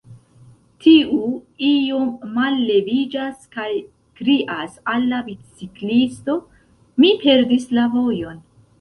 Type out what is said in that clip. Tiu iom malleviĝas, kaj krias al la biciklisto: Mi perdis la vojon.